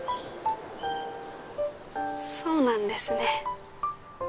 そうなんですね。